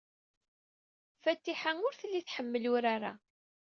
Fatiḥa ur telli tḥemmel urar-a.